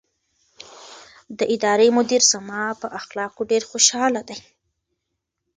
د ادارې مدیر زما په اخلاقو ډېر خوشحاله دی.